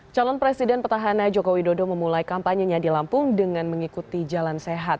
calon presiden petahana jokowi dodo memulai kampanyenya di lampung dengan mengikuti jalan sehat